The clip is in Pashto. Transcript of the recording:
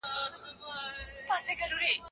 د ږیري خاوند ډنډ ته د چاڼ ماشین نه دی وړی.